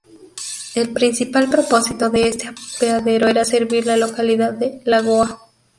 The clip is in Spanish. El principal propósito de este apeadero era servir la localidad de Lagoa.